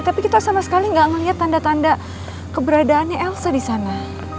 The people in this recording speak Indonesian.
tapi kita sama sekali nggak melihat tanda tanda keberadaannya elsa di sana